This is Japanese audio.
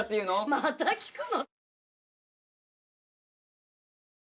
また聞くの？